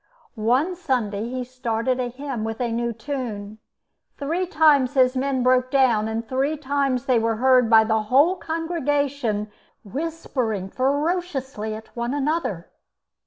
One Sunday he started a hymn with a new tune. Three times his men broke down, and three times they were heard by the whole congregation whispering ferociously at one another.